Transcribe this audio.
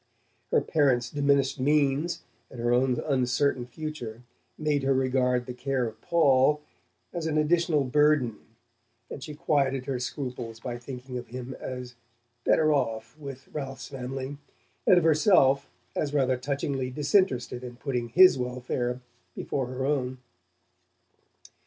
Her parents' diminished means and her own uncertain future made her regard the care of Paul as an additional burden, and she quieted her scruples by thinking of him as "better off" with Ralph's family, and of herself as rather touchingly disinterested in putting his welfare before her own.